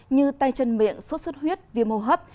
như tai chân miệng suốt suốt huyết viêm hô hấp